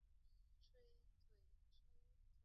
康熙二十八年升迁为内阁学士。